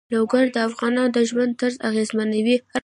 لوگر د افغانانو د ژوند طرز اغېزمنوي.